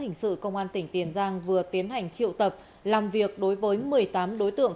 hình sự công an tỉnh tiền giang vừa tiến hành triệu tập làm việc đối với một mươi tám đối tượng